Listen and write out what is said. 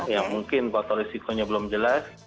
ya mungkin waktu resikonya belum jelas